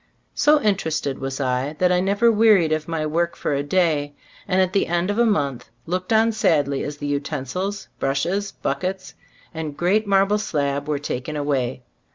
So interested was I, that I never wearied of my work for a day, and at the end of a month looked on sadly as the utensils, brushes, buck ets and great marble slab were taken away.